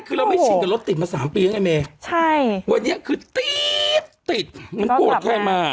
คือเราไม่ชินกับรถติดมาสามปีไงใช่วันนี้คือติดมันกวดใครมา